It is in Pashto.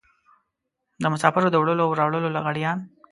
د مسافرو د وړلو او راوړلو لغړيان.